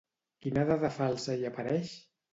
Quina dada falsa hi apareix?